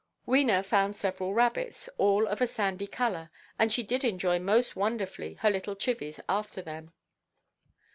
Wena found several rabbits, all of a sandy colour, and she did enjoy most wonderfully her little chivies after them.